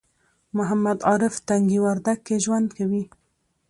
محمد عارف تنگي وردک کې ژوند کوي